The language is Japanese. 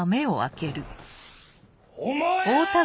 お前！